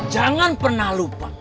jangan pernah lupa